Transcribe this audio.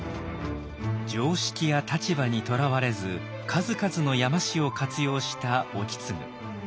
常識や立場にとらわれず数々の山師を活用した意次。